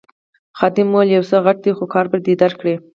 خادم وویل یو څه غټ دی خو کار به درکړي.